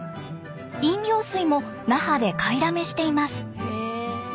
飲料水も那覇で買いだめしています。